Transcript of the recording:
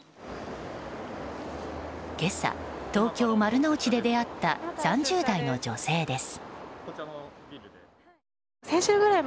今朝、東京・丸の内で出会った３０代の女性です。